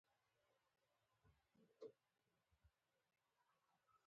د تورې دانې غوړي د درد لپاره وکاروئ